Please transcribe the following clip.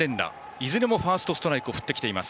いずれもファーストストライクを振ってきています。